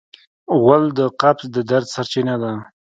غول د قبض د درد سرچینه ده.